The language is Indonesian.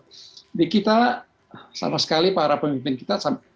jadi kita sama sekali para pemimpin kita